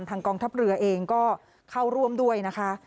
กองทัพเรือเองก็เข้าร่วมด้วยนะคะ